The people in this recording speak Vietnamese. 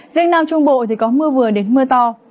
riêng nam trung bộ thì có mưa vừa đến mưa to